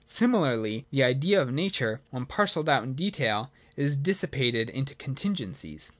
Similarly the Idea of Nature, when parcelled out in detail, is dissi pated into contingencies.